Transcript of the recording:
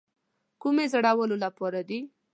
کومې زړولو لپاره دي.